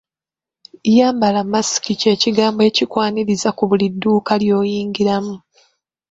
Yambala masiki kye kigambo ekikwaniriza ku buli dduuka lw'oyingira mu.